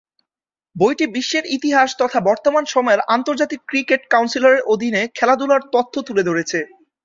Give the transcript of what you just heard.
বইটি বিশ্বের ইতিহাস তথা বর্তমান সময়ের আন্তর্জাতিক ক্রিকেট কাউন্সিলের অধীনে খেলাধুলার তথ্য তুলে ধরেছে।